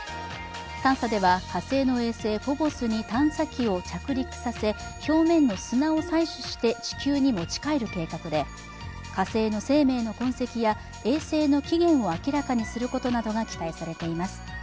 探査では火星の衛星フォボスに探査機を着陸させ表面の砂を採取して地球に持ち帰る計画で火星の生命の痕跡や衛星の起源を明らかにすることなどが期待されています。